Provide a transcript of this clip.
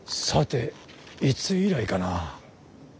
さていつ以来かな。